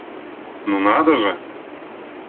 Ну надо же!